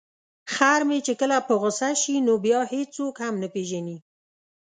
خر مې چې کله په غوسه شي نو بیا هیڅوک هم نه پيژني.